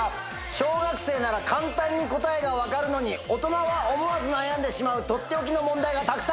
小学生なら簡単に答えが分かるのに大人は思わず悩んでしまうとっておきの問題がたくさん！